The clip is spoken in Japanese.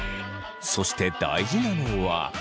そして大事なのは。